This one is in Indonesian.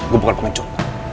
gue bukan pengecut